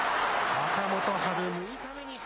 若元春、６日目に土。